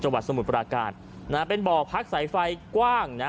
สมุทรปราการนะฮะเป็นบ่อพักสายไฟกว้างนะฮะ